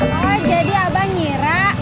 oh jadi abang ngira